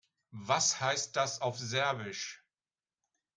Was heißt das auf Serbisch?